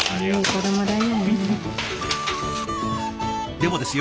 でもですよ